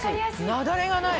雪崩がない。